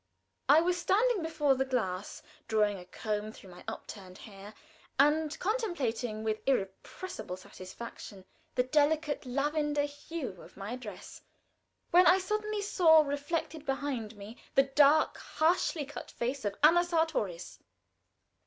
I was standing before the glass, drawing a comb through my upturned hair, and contemplating with irrepressible satisfaction the delicate lavender hue of my dress, when I suddenly saw reflected behind me the dark, harshly cut face of Anna Sartorius.